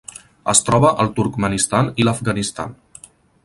Es troba al Turkmenistan i l'Afganistan.